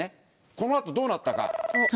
この後どうなったか。